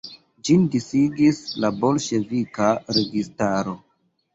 Ĝin disigis la bolŝevika registaro.